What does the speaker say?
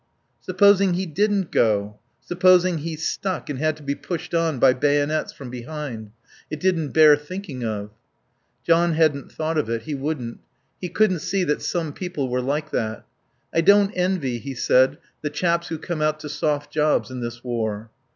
Supposing he didn't go, supposing he stuck, and had to be pushed on, by bayonets, from behind? It didn't bear thinking of. John hadn't thought of it. He wouldn't. He couldn't see that some people were like that. "I don't envy," he said, "the chaps who come out to soft jobs in this war."